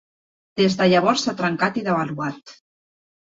Des de llavors s'ha trencat i devaluat.